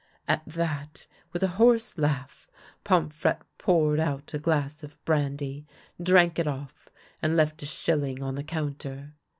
At that, with a hoarse laugh, Pomfrette poured out a glass of brandy, drank it off, and left a shilling on the counter.